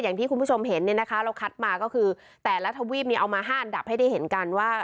อย่างที่คุณผู้ชมเห็นเนี่ยนะคะเราคัดมาก็คือแต่ละทวีปเอามา๕อันดับให้ได้เห็นกันว่า